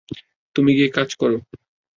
তুমি গিয়ে কাজ করো।